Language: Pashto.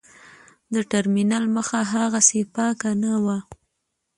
د ټرمینل مخه هاغسې پاکه نه وه.